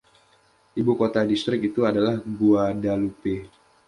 Ibukota distrik itu adalah Guadalupe.